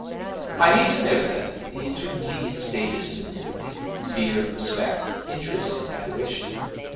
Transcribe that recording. I hasten over, then, the intermediate stages of antipathy, fear, respect, interest, and adoration.